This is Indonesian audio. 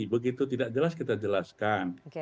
begitu tidak jelas kita jelaskan